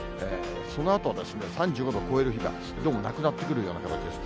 そのあとですね、３５度を超える日がどうもなくなってくるような形です。